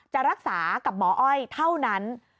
จะรักษากับหมออ้อยเท่านั้น